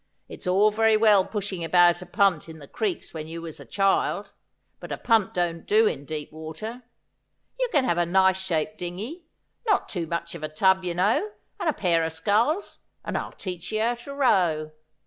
' It was all very well pushing about a punt in the creeks when you was a child, but a punt don't do in deep water. You can have a nice shaped dingey, not too much of a tub, you know, and a pair o' sculls, and I'll teach you to row.